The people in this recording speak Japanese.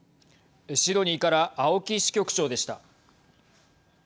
シドニーから青木支局長でした。